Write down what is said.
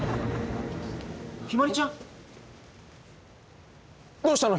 ひまりちゃん？どうしたの？